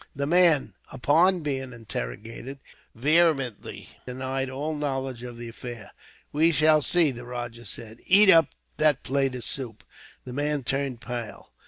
The man, upon being interrogated, vehemently denied all knowledge of the affair. "We shall see," the rajah said. "Eat up that plate of soup." The man turned pale.